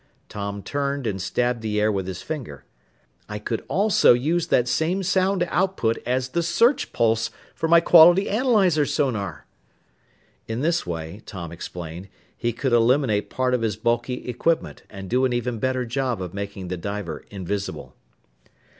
Tom turned and stabbed the air with his finger. "I could also use that same sound output as the search pulse for my quality analyzer sonar!" In this way, Tom explained, he could eliminate part of his bulky equipment and do an even better job of making the diver "invisible."